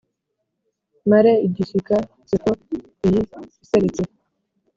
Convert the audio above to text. Mare igishyika nseko iyi iseretse.